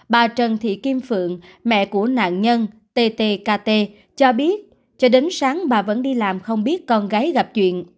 bà trần thị kim phượng mẹ của nạn nhân ttkt cho biết cho đến sáng bà vẫn đi làm không biết con gái gặp chuyện